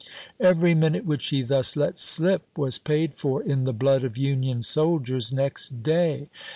Every minute which he thus let slip was paid for in the blood of Union soldiers next day.